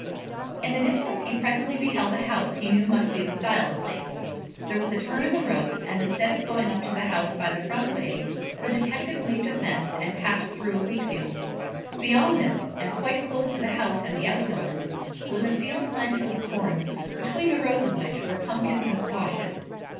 In the distance he presently beheld a house he knew must be the Styles place. There was a turn in the road and instead of going up to the house by the front way the detective leaped a fence and passed through a wheatfield. Beyond this, and quite close to the house and the out buildings, was a field planted with corn, between the rows of which were pumpkins and squashes.